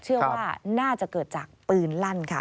เชื่อว่าน่าจะเกิดจากปืนลั่นค่ะ